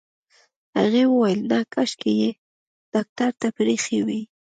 هغې وويل نه کاشکې يې ډاکټر ته پرېښې وای.